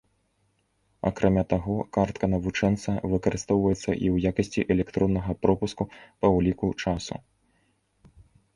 Акрамя таго, картка навучэнца выкарыстоўваецца і ў якасці электроннага пропуску па ўліку часу.